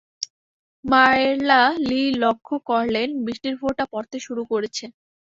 মারলা Lee লক্ষ করলেন বৃষ্টির ফোঁটা পড়তে শুরু করেছে।